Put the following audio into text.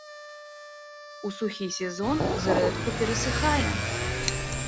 У сухі сезон зрэдку перасыхае.